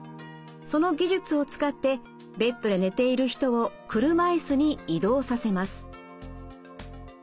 その技術を使ってベッドで寝ている人を車イスに移動させます。